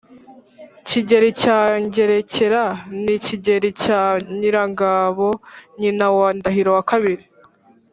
kigeli cya ngerekera: ni kigeli cya nyirangabo nyina wa ndahiro ii